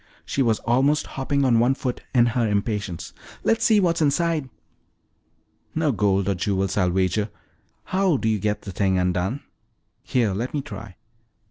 She was almost hopping on one foot in her impatience. "Let's see what's inside." "No gold or jewels, I'll wager. How do you get the thing undone?" "Here, let me try."